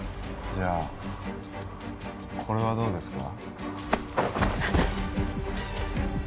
じゃあこれはどうですか？